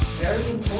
untuk sesuatu yang mudah